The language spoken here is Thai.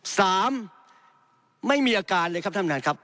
สามไม่มีอาการเลยครับท่านประธานครับ